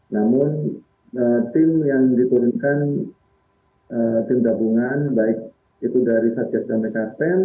namun tim yang diturunkan tim gabungan baik itu dari satya sdmk ten